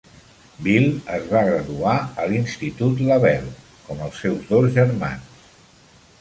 Bill es va graduar a l'institut LaBelle, com els seus dos germans.